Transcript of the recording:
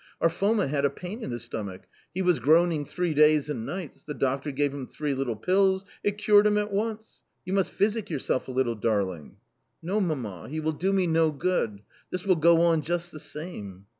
Our Foma had a pain in the stomach ; he was groaning three days and nights ; the doctor gave him three little pills, it cured him at once ! You must physic yourself a little, darling !"" No, mamma, he will do me no good ; this will go on just the same."